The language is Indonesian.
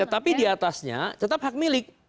tetapi di atasnya tetap hak milik